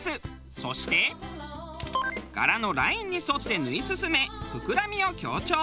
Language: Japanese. そして柄のラインに沿って縫い進め膨らみを強調。